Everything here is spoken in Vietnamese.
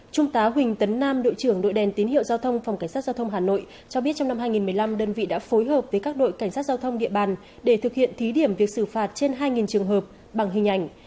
trung tá huỳnh tấn nam đội trưởng đội đèn tín hiệu giao thông phòng cảnh sát giao thông hà nội cho biết trong năm hai nghìn một mươi năm đơn vị đã phối hợp với các đội cảnh sát giao thông địa bàn để thực hiện thí điểm việc xử phạt trên hai trường hợp bằng hình ảnh